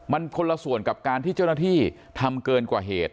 มันคนละส่วนกับการที่เจ้าหน้าที่ทำเกินกว่าเหตุ